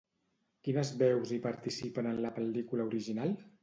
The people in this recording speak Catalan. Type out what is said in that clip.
Quines veus hi participen en la pel·lícula original?